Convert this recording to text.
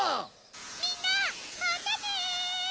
みんなまたね！